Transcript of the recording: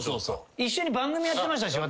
一緒に番組やってましたし。